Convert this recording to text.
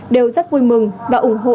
đều rất vui mừng và ủng hộ